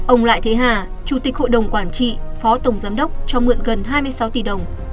ông lại thế hà chủ tịch hội đồng quản trị phó tổng giám đốc cho mượn gần hai mươi sáu tỷ đồng